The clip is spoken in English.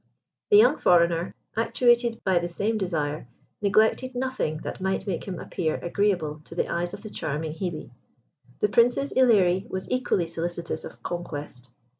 The young foreigner, actuated by the same desire, neglected nothing that might make him appear agreeable to the eyes of the charming Hebe. The Princess Ilerie was equally solicitous of conquest.